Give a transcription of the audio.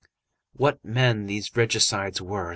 "What men these regicides were!"